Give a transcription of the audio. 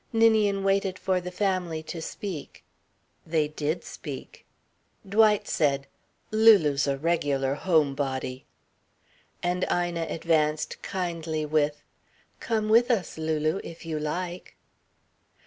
Ninian waited for the family to speak. They did speak. Dwight said: "Lulu's a regular home body." And Ina advanced kindly with: "Come with us, Lulu, if you like."